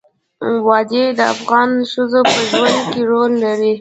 وادي د افغان ښځو په ژوند کې رول لري.